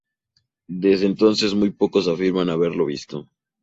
Desde entonces muy pocos afirman haberlo visto.